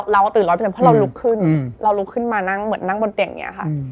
เราตื่น๑๐๐เพราะเราลุกขึ้นเราลุกขึ้นมานั่งเหมือนนั่งบนเตียงอย่างนี้ค่ะ